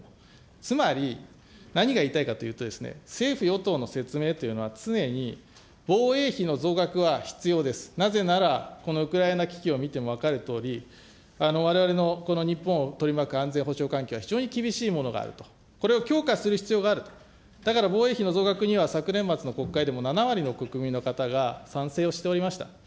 つまり、何が言いたいかというと、政府・与党の説明というのは、常に防衛費の増額は必要です、なぜならこのウクライナ危機を見ても分かるとおり、われわれのこの日本を取り巻く安全保障環境は非常に厳しいものがあると、これを強化する必要があると、だから防衛費の増額には、昨年末の国会でも７割の国民の方が賛成をしておりました。